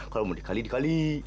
kalau mau dikali dikali